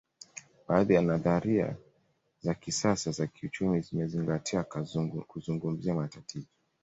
Baadhi ya nadharia za kisasa za kiuchumi zimezingatia kuzungumzia matatizo